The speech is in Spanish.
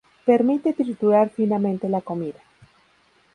Permite triturar finamente la comida.